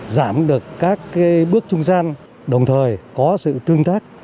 giảm được các bước trung gian đồng thời có sự tương tác